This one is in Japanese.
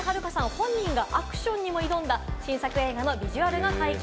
本人がアクションにも挑んだ新作映画のビジュアルが解禁。